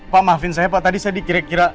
pak maafin saya pak tadi saya dikira kira